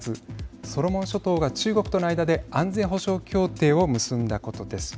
ソロモン諸島が中国との間で安全保障協定を結んだことです。